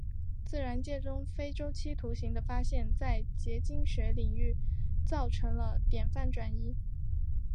自然界中非周期图形的发现在结晶学领域造成了典范转移。